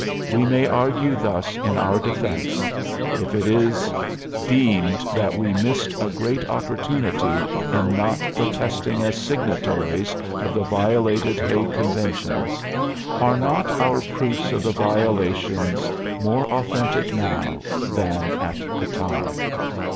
We may argue thus in our defense: If it is deemed that we missed a great opportunity in not protesting as signatories of the violated Hague conventions, are not our proofs of the violations more authentic now than at the time?